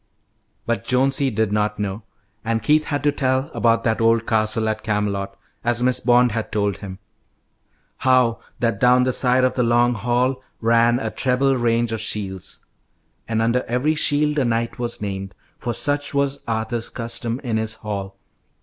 But Jonesy did not know, and Keith had to tell about that old castle at Camelot, as Miss Bond had told him. How that down the side of the long hall ran a treble range of shields, "And under every shield a knight was named, For such was Arthur's custom in his hall.